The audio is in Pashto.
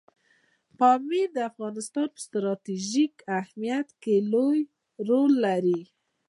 پامیر د افغانستان په ستراتیژیک اهمیت کې لوی رول لري.